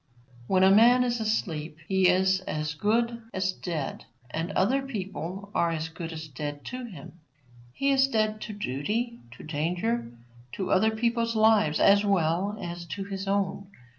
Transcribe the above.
When a man is asleep, he is as good as dead, and other people are as good as dead to him. He is dead to duty, to danger, to other people's lives, as well as to his own.